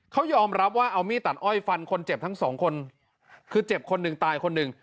เขายอมรับว่าเอามีดตัดอ้อยฟันคนเจ็บทั้งสองคนคือเจ็บคนหนึ่งตายคนหนึ่ง